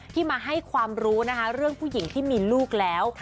ที่มาให้ความรู้นะคะเรื่องผู้หญิงที่มีลูกแล้ว